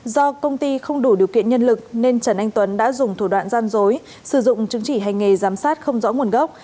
do công ty không đủ điều kiện nhân lực nên trần anh tuấn đã dùng thủ đoạn gian dối sử dụng chứng chỉ hành nghề giám sát không rõ nguồn gốc